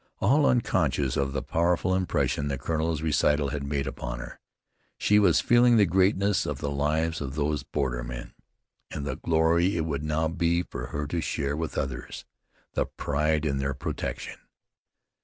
All unconscious of the powerful impression the colonel's recital had made upon her, she was feeling the greatness of the lives of these bordermen, and the glory it would now be for her to share with others the pride in their protection.